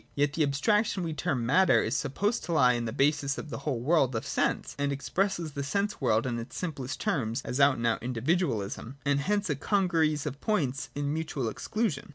Yet the abstraction we term matter is sup posed to lie at the basis of the whole world of sense, and expresses the sense world in its simplest terms as out and out individualisation, and hence a congeries of points in mutual exclusion.